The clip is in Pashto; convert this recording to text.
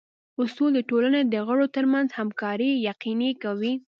اصول د ټولنې د غړو ترمنځ همکاري یقیني کوي.